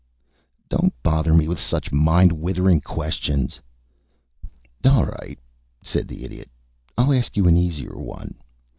"Don't bother me with such mind withering questions." "All right," said the Idiot. "I'll ask you an easier one.